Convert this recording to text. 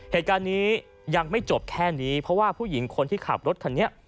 เหตุการณ์นี้ยังไม่จบแค่นี้เพราะว่าผู้หญิงคนที่ขับรถคันนี้